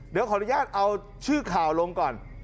เดี๋ยวขออนุญาตเอาชื่อข่าวลงก่อน